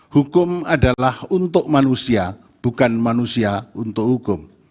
hukum adalah untuk manusia bukan manusia untuk hukum